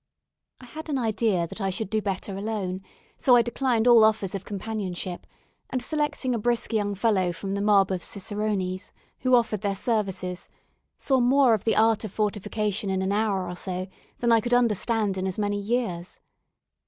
I had an idea that I should do better alone, so I declined all offers of companionship, and selecting a brisk young fellow from the mob of cicerones who offered their services, saw more of the art of fortification in an hour or so than I could understand in as many years.